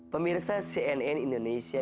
pemirsa cnn indonesia